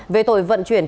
về tội vận chuyển